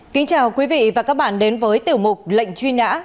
kính chào quý vị và các bạn đến với tiểu mục lệnh truy nã